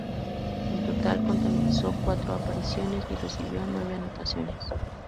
En total contabilizó cuatro apariciones y recibió nueve anotaciones.